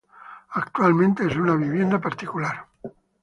Actualmente es una vivienda particular.